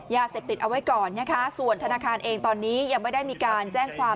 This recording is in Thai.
ยาเสพติดเอาไว้ก่อนนะคะส่วนธนาคารเองตอนนี้ยังไม่ได้มีการแจ้งความ